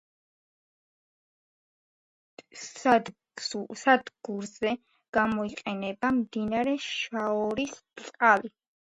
სადგურზე გამოიყენება მდინარე შაორის წყალი.